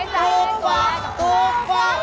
ถูกกว่า